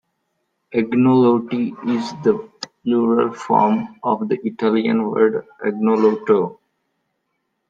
"Agnolotti" is the plural form of the Italian word "agnolotto".